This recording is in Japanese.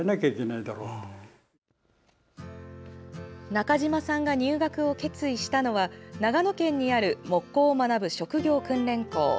中島さんが入学を決意したのは長野県にある木工を学ぶ職業訓練校。